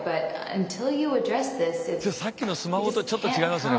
さっきのスマホとちょっと違いますね